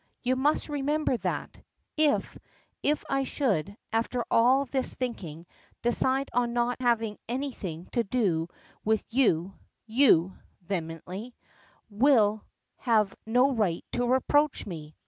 You must remember that! If if I should, after all this thinking, decide on not having anything to do with you you," vehemently, "will have no right to reproach me.